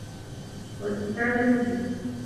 وَالكِتابِ المُبينِ